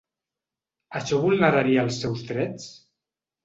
Això vulneraria els seus drets?